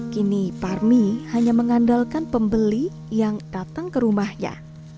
kini parmi hanya mengandalkan pembeli yang datang ke rumahnya